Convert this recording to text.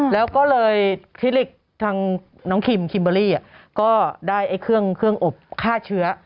แล้วก็เลยทฤษฎิกท์ท่าน้องขิมก็ได้เครื่องอบฆ่าเชื้อ